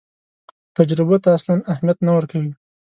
تجربو ته اصلاً اهمیت نه ورکوي.